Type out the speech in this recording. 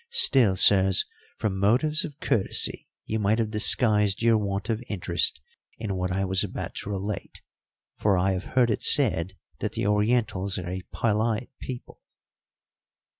Still, sirs, from motives of courtesy you might have disguised your want of interest in what I was about to relate; for I have heard it said that the Orientals are a polite people."